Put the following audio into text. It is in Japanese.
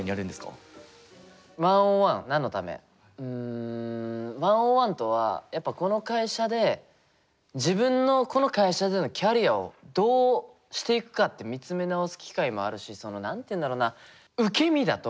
１ｏｎ１何のためうん１ｏｎ１とはやっぱこの会社で自分のこの会社でのキャリアをどうしていくかって見つめなおす機会もあるしその何て言うんだろうな。